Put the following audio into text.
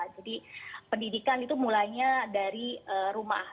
jadi pendidikan itu mulainya dari rumah